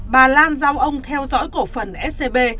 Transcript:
bà lan giao ông theo dõi cổ phần scb